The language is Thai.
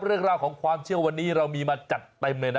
เรื่องราวของความเชื่อวันนี้เรามีมาจัดเต็มเลยนะ